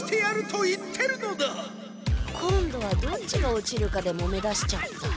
今度はどっちが落ちるかでもめだしちゃった。